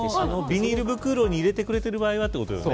ビニール袋に入れてくれてる場合はってことだね。